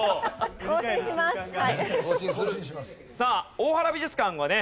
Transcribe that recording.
大原美術館はね